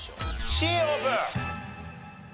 Ｃオープン。